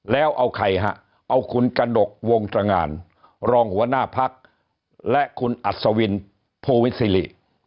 แล้วเอาใครฮะเอาคุณกระดกวงตรงานรองหัวหน้าพักและคุณอัศวินภูวิซิริ